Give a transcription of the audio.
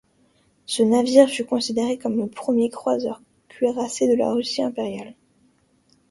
Ce navire fut considéré comme le premier croiseur cuirassé de la Russie impériale.